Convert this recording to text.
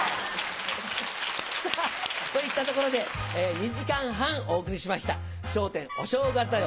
さぁといったところで２時間半お送りしました『笑点お正月だよ！